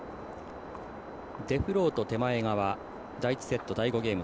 デフロート手前側第１セット第５ゲーム。